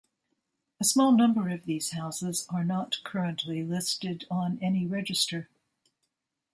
A small number of these houses are not currently listed on any register.